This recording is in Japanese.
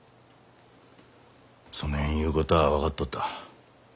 そねん言うこたあ分かっとった。